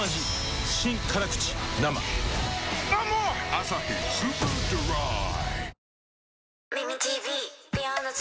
「アサヒスーパードライ」